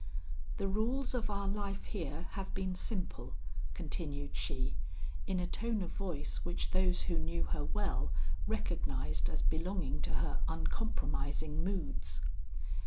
"The rules of our life here have been simple," continued she in a tone of voice which those who knew her well recognized as belonging to her uncompromising moods.